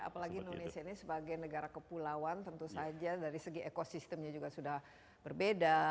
apalagi indonesia ini sebagai negara kepulauan tentu saja dari segi ekosistemnya juga sudah berbeda